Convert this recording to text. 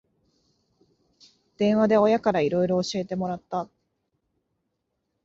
電話で親からいろいろ教えてもらった